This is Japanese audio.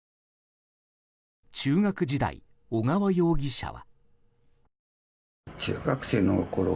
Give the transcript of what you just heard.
中学時代、小川容疑者は。